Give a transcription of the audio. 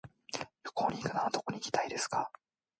旅行に行くならどこに行きたいですか。